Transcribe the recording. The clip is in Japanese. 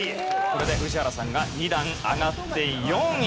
これで宇治原さんが２段上がって４位。